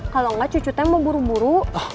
kalau nggak cucu teh mau buru buru